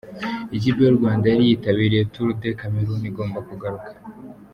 Ikipe y'u Rwanda yari yitabiriye Tour du Cameroun igomba kugaruka.